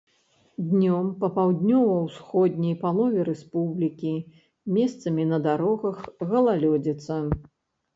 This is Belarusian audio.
Днём па паўднёва-ўсходняй палове рэспублікі месцамі на дарогах галалёдзіца.